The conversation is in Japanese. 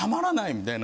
みたいな。